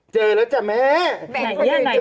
เจอไหมลูกเจอแล้วจ้ะแม่